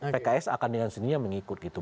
pks akan dengan sendirinya mengikut gitu